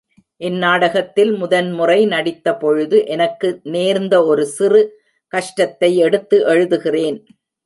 இந்நாடகத்தில் முதன் முறை நடித்தபொழுது எனக்கு நேர்ந்த ஒரு சிறு கஷ்டத்தை எடுத்து எழுதுகிறேன்.